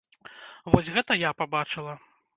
Вось гэта я пабачыла.